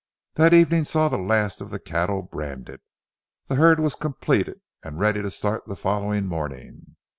That evening saw the last of the cattle branded. The herd was completed and ready to start the following morning.